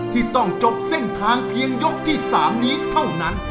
ที่ต้องจบเส้นทางเพียงยกที่๓นี้เท่านั้น